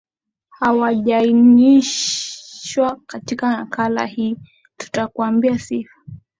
hawajainishwa Katika nakala hii tutakuambia sifa